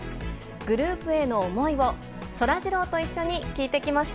グループへの思いをそらジローと一緒に聞いてきました。